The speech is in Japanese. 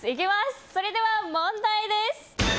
それでは問題です。